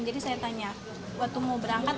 jadi saya tanya waktu mau berangkat